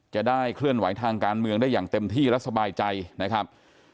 จะได้เคลื่อนไหวทางการเมืองได้อย่างเต็มที่และสบายใจนะครับ